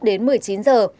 đến một mươi chín giờ